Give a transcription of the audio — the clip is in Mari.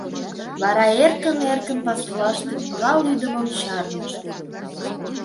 Вара эркын-эркын пасулаште курал-ӱдымым чарнышт.